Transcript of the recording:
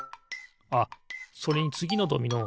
あっそれにつぎのドミノ